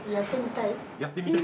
◆やってみたい？